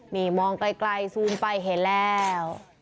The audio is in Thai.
นี่มองไกลซูมไปเห็นแล้ว